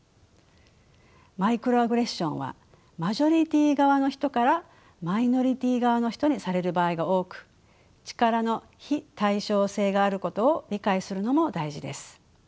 マイクロアグレッションはマジョリティー側の人からマイノリティー側の人にされる場合が多く力の非対称性があることを理解するのも大事です。